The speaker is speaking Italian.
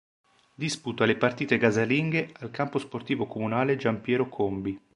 Disputa le partite casalinghe al campo sportivo comunale "Giampiero Combi".